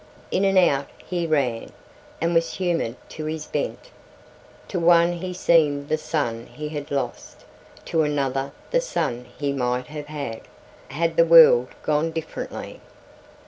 In and out he ran, and was humored to his bent. To one he seemed the son he had lost, to another the son he might have had, had the world gone differently.